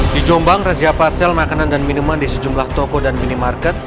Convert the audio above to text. di jombang razia parsel makanan dan minuman di sejumlah toko dan minimarket